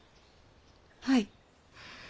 はい。